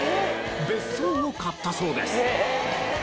別荘を買ったそうです。